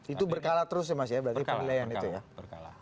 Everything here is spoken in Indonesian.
itu berkala terus ya mas ya berarti penilaian itu ya